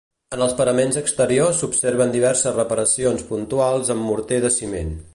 En els paraments exteriors s'observen diverses reparacions puntuals amb morter de ciment.